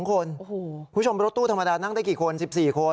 คุณผู้ชมรถตู้ธรรมดานั่งได้กี่คน๑๔คน